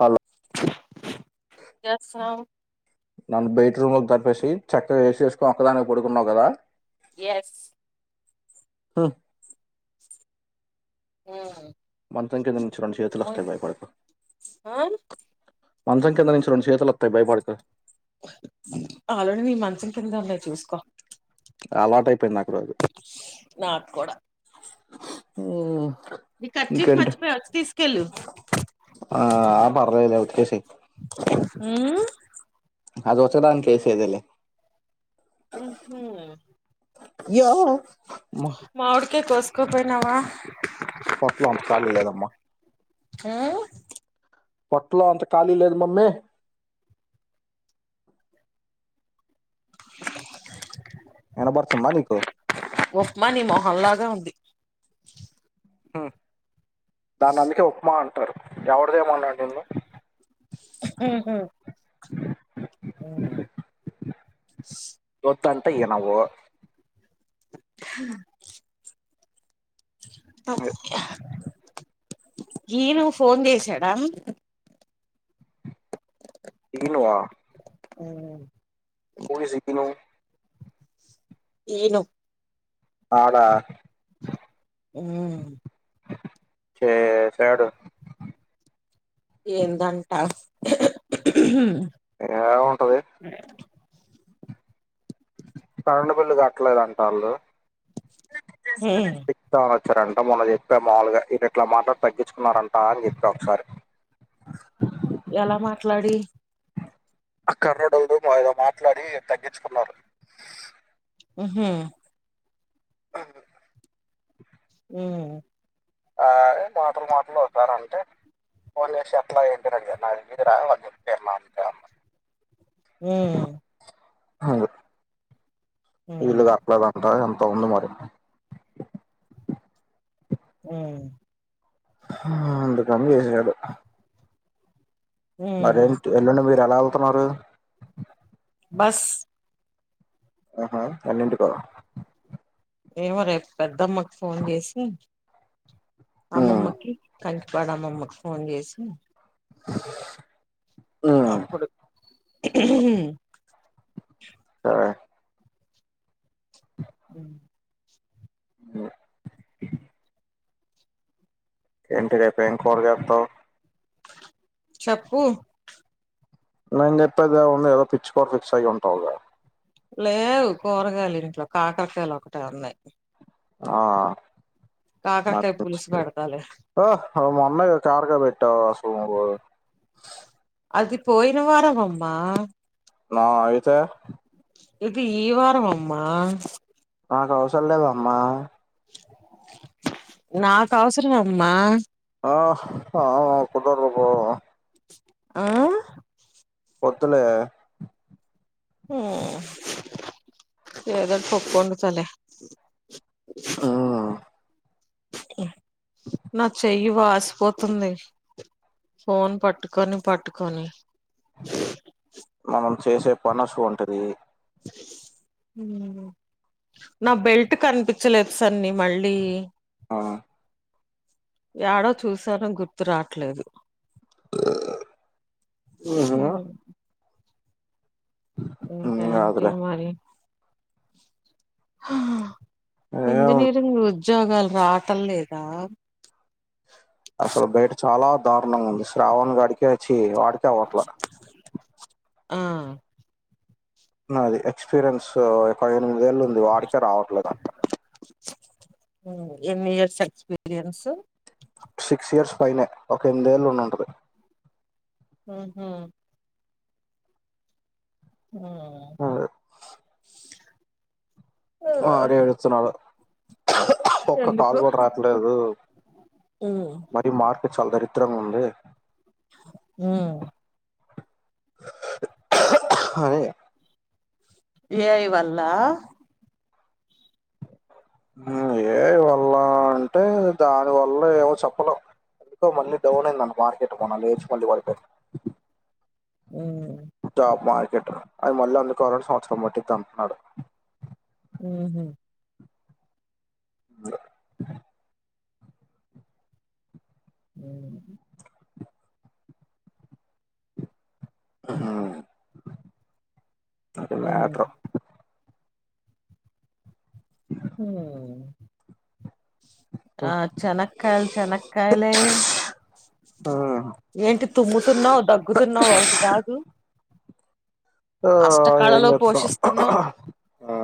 Hello [unintelligible] నన్ను బైట్రూమ్ లోకి తరిపేసి చక్కగా ఏసీ వేసుకోన్ ఒక్కదాన్వే పడుకున్నావు కదా. ఎస్ హొ ఊ మంచం కింది నుంచి రెండు చేతులు వస్తాయి భయపడకు. మంచం కింద నుంచి రెండు చేతులు ఓత్తాయి భయపడకు ఆల్రెడీ నీ మంచం కింద ఉన్నాయి చూసుకో అలవాటయిపోయింది నాకు రోజు. నాక్కూడా. ఉ నీ కర్చీఫ్ మర్చిపోయావ్ వచ్చి తీసుకెళ్ళు. ఆ పర్లేదులే ఉతికేసేయ్ ఉ అది ఉతకడానికి వేసేదేలే ఊహు యో అమ్మా, మామిడికాయ కోసుకో పోయినావా. పొట్టలో అంత కాలి లేదమ్మా. ఆ పొట్టలో అంత ఖాళీ లేదు మమ్మీ. ఇనపడుతుందా నీకు ఉప్మా నీ మొహన్లాగే ఉంది. దాన్నీ అందుకే ఉప్మా అంటారు ఎవరిని ఏమన్నట్టు ఉంది. ఊహు హుహు చూత్త అంటే ఇనవు. హా శ్రీను ఫోన్ చేసాడా శ్రీను ఆ ఊ పోయి సిక్కినం ఈనో. తాగా ఊ చేసాడు. ఏందంటా. ఏం ఉంటది అ కరెంటు బిల్లు కట్టలేదంట వాళ్ళు. వచ్చారంట మొన్న చెప్ప మాములుగా ఇది ఇట్లా మాత్రం తగ్గించున్నారంట అని చెప్పా ఒకసారి ఎలా మాట్లాడి. ఆ కర్రోడయిందేగా ఇగ మాట్లాడి తగ్గించుకున్నారు. హు ఆ హు ఆయ్ నా తోని మాట్లాడు ఒకసారి అంతే ఫోన్ చేసి ఎట్లా ఏంటి అని అడిగా. నాకు తెలీదురా వాళ్ళు చెప్పారు మాట్లాడమని. ఊఉ అవును ఇల్లు కట్టాకలేదట ఇంత ఉంది మరి ఊ అందుకని చేసినాడు. మరేంటి ఎల్లుండి మీరు ఎలా ఎలతన్నారు బస్ ఆహా ఎన్నింటికో ఏమో రేపు పెద్దమ్మకి ఫోన్ చేసి ఉమ్ అమ్మమ్మకి కంకిపాడమమ్మకు ఫోన్ చేసి అ అప్పుడు సరే హ్మ్ హ్మ్ ఏంటి రేపు ఏం కూర్ర చేత్తావ్ చెప్పు నేను చెప్పేదేముంది ఏదో పిచ్చి కూర్ర ఫిక్స్ అయి ఉంటావు కదా లేవు కూరగాయలు ఇంట్లో కాకరకాయలు ఒకటే ఉన్నాయి ఆ కాకరకాయ పులుసు [unintelligible] పెడతాలే హో మొన్నెగా కార్గో పెట్టావు సోములు అది పోయినవారవమ్మా నా అయితే ఇది ఈ వారవమ్మా నాకు అవసరలేదమ్మా నాకు అవసరవమ్మా ఆ హ కుదరదు పో ఆ వొద్దులే హ్మ్ ఏదో పప్పు వొండుతాలే ఉమ్, నా చెయ్యి వాసిపోతుంది ఫోన్ పట్టుకొని పట్టుకొని మనం చేసే పని అసువంటిది హ్మ్ నా బెల్ట్ కనిపిచ్చలేదు సన్ని మళ్ళీ ఆ యాడో చూసాను గుర్తురాట్లేదు ఉహు, హ్మ్ ఉమ్, ఇంకేంటి కాదులే మరి ఏముంది ఇంజనీరింగ్ ఉద్యోగాలు రాటలేదా అసలు బయట చాలా దారుణంగా ఉంది శ్రావణ్ గాడికే చ్చి వాడికే అవ్వట్లా ఆ నాది ఎక్స్పీరియన్స్ పదెనిమిదెళ్ళు ఉంది వాడికే రావట్లే ఎన్ని ఇయర్స్ ఎక్స్పీరియన్సు సిక్స్ ఇయర్స్ పైనే ఒక ఎనిమిదెళ్ళు ఉండుంటది మ్మ్ హూ హ్మ్ ఉంటుంది వాడే ఏడుస్తున్నాడు ఒక్క ఎందుకు కాల్ గుడా రాట్లేదు ఈ మార్కెట్ చాలా దరిద్రంగుంది ఉం అని ఏఐ వల్ల ఉం ఏ ఐ వల్ల అంటే దాని వల్ల ఏమో చెప్పలేం ఎదో మళ్ళీ డౌన్ అయిందంట మార్కెట్ మొన్న లేచి మళ పడిపోయింది ఉం జాబ్ మార్కెట్ ఆ అది మళ్ళీ అందుకు కోవాలంటే సంవత్సరం పట్టిద్ది అంటున్నాడు ఉ హమ్ ఉం అది మ్యాటరు హమ్ ఆ చెనకాయల్ చెనకాయలే ఏంటి తుమ్ముతున్నావు దగ్గుతున్నావు ఒకటి కాదు ఆ ఎం అష్టకళలో చెప్తావ్ ఆ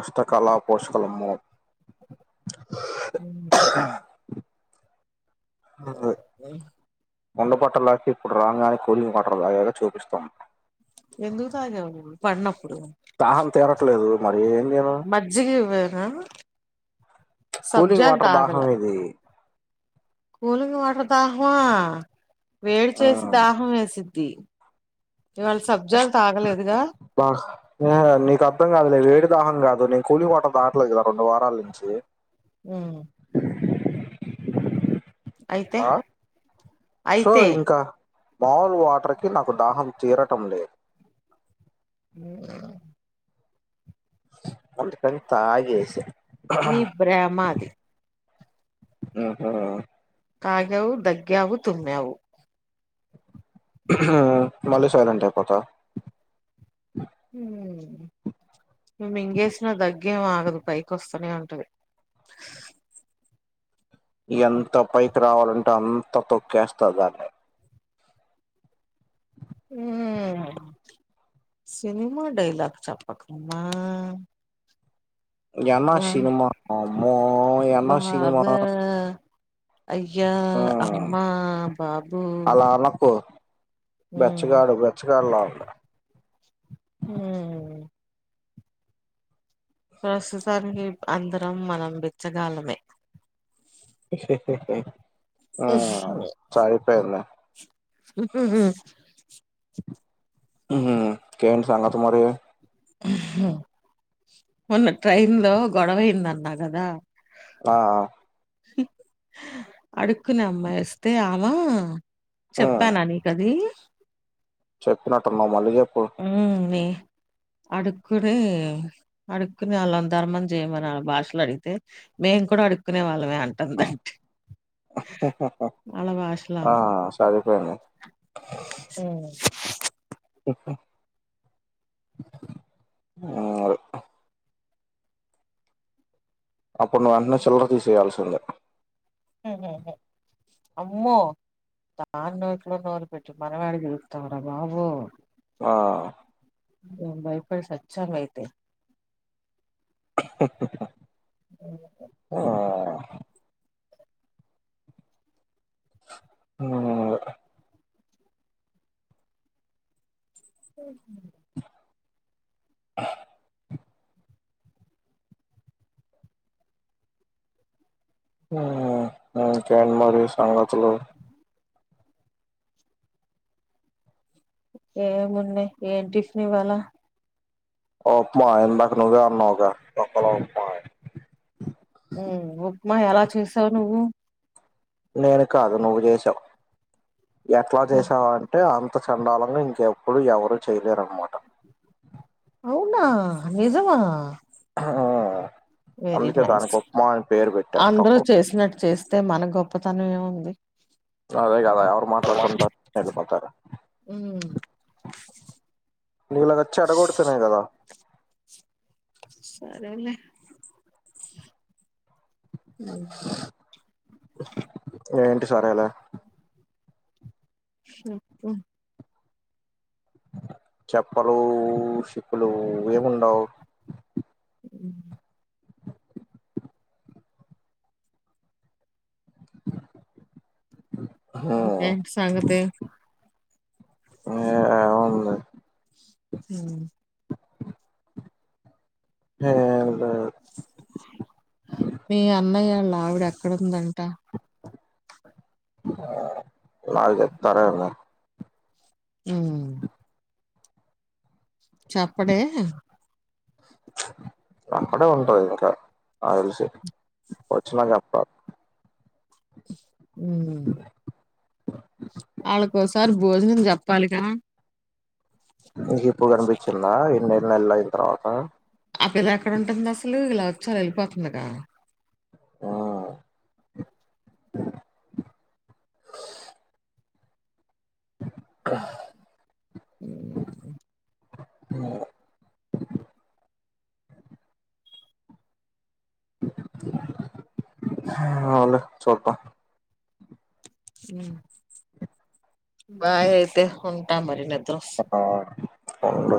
అష్టకళ పోషకలమ్ము పోషిస్తున్నావు ఉండ పట్టలాకె ఇప్పుడు రాంగానే కూలింగ్ వాటర్ దాగాగా చూపిస్తం ఎందుకు తాగవు నువ్వు పడ్నప్పుడు దాహం తీరట్లేదు మరి ఎం చేయను మజ్జిగా ఇవ్వన కూలింగ్ సబ్జాల్ వాటర్ తాగల దాహం ఇది కూలింగ్ వాటర్ దాహమా వేడి ఆ చేసి దాహం వేసింది ది ఇవాళ సబ్జాలు తాగలేదుగా నీకు అర్థం కాదు లే వేడి దాహం కాదు నీ కూలీ వాటర్ దాటట్లేదు కదా రెండు వారాల నుంచి ఉం అయితే ఆ సో అయితే ఇంకా మాముల్ వాటర్కిి నాకు దాహం తీరటం లేదు ఉ అందుకనీ తాగేస నీ భ్రమ అది ఓహ తాగావ్ దగ్గావ్ తుమ్మావ్ ఆ మళ్ళీ సైలెంట్ అయిపోతా ఉం నువ్వు మింగేసినా దగ్గేం ఆగదు పైకి వస్తానే ఉంటది ఇగ ఎంత పైకి రావాలంటే అంత తొక్కేస్త దాన్ని ఉం సినిమా డైలాగ్ చేప్పకమా ఎన్న సినిమా అమ్మో ఎన్న సినిమా ఆ అయ్యా అమ్మ బాబూ [unintelligible] తాలకు బెచ్చగాడు బెచ్చగాడలో ఉంట హమ్ ప్రస్తుతానికి అందరం మనం బిచ్చగాలమే ఉంది ఉఫ్ వేళ్ళ ఉమ్ ఇంకేం సంగతీ మరి ఉమ్ మొన్న ట్రైన్ లో గొడవైందన్న కదా ఆ అడుకునే అమ్మా వస్తే ఆమ ఉ చెప్పాననీకది చెప్పినట్టున్నవ్ మళ్ళీ ఎప్పు ఉమ్ అడుకుడ అడుక్కునే వాళ్ళం ధర్మం చేయమని వాళ్ళ భాషలు అడిగితే మేము కూడా అడుక్కునే వాళ్ళమే అం టన్ది ఉమ్. ఆ ఆమ సరిపోయింది ఉమ్ ఉమ్ అప్పుడు నువన్న చిల్లర తీసేయయాల్సిందే ఉహ్హ్ అమ్మో దా నో ఇట్లో నోనె పెట్టి మనవాడికి చేస్తావురా బాబు ఆ నేను బయపడి సచ్చా అయితే ఓ ఏంచేద్దాం ఉమ్ ఓసినీ ఆ ఉమ్ ఇంకేంటీ మరి సంగతులు ఏమున్నయి ఏం టిఫన్ ఇవాల ఉప్మా ఇందాక నువ్వే అన్నావుగా తొక్కలో ఉప్మా అని ఉమ్మ్ ఉప్మా ఎలా చేసావు నువ్వు నేను కాదు నువ్వు చేశావు ఎట్లా చేసావా అని అంటే అంతా చండాలంగా ఇంకెప్పుడు ఎవరు చేయలేరనమాట అవునా నిజమా ఆ వెరీ నైస్ పెట్టారు తొక్కల అందరూ చేసినట్టు చేస్తే మన గొప్పతనం ఏముంది అదే కదా ఎవరు మాట్లాడుకుంటారు ఎళ్లిపోతారు ఉమ్మ్ నీలాగా చెడగొడితేనే కదా సరేలే ఉమ్మ్ ఏంటి సరేలే చెప్పు చెప్పలు షిప్పులు ఏముండవు మ్మ్ ఆ ఏంటి సంగతి ఆఏ ఉమ్మ్ ఏం కాదు మీ అన్నయ్యళ్ళ ఆవిడా ఎక్కడుందంట నాకు చెప్తారా ఏంది ఉమ్ చెప్పడే అక్కడే ఉంటది ఇంకా నాకి తెలిసి వచ్చినా చెప్తా ఉమ్మ్ వాళ్ల కోసం సార్ భోజనం చెప్పాలిగా నీకు ఇప్పుడు కనిపిచిందా ఎన్నేల్లలు అయిన తర్వాత ఆ పిల్ల ఏక్కడ ఉంటుంది అసలు ఇలా వచ్చి అలా ఎళ్ళిపోతుందిగా ఆ క ఉమ్ ఆవులే చూద్దాం ఉమ్మ్ బాయ్ అయితే ఉంటామరి నిద్ర వస్తుంది ఆ ఉండు